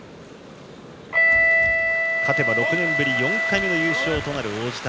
勝てば６年ぶり４回目の優勝となる王子谷。